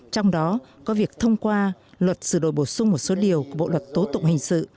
trong đó có việc thông qua luật sửa đổi bổ sung một số điều của bộ luật tố tụng hình sự